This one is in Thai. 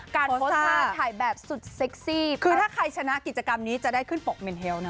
การโพสต์ภาพถ่ายแบบสุดเซ็กซี่คือถ้าใครชนะกิจกรรมนี้จะได้ขึ้นปกเมนเทลนะ